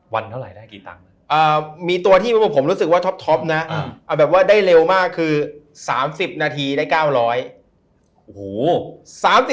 วันเท่าไหร่ได้กี่ตังค์มีตัวที่ผมรู้สึกว่าท็อปนะเอาแบบว่าได้เร็วมากคือ๓๐นาทีได้๙๐๐โอ้โห